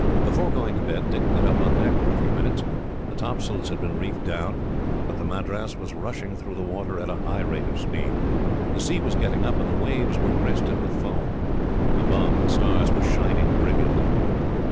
Before going to bed, Dick went up on deck for a few minutes. The topsails had been reefed down, but the Madras was rushing through the water at a high rate of speed. The sea was getting up, and the waves were crested with foam. Above, the stars were shining brilliantly.